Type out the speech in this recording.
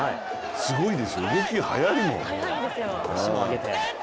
すごいですよ、動き速いもん。